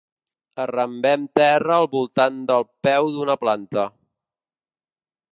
Arrambem terra al voltant del peu d'una planta.